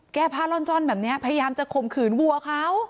แก้ผ้าล่อนจ้อนแบบนี้พยายามจะข่มขืนวัวเขา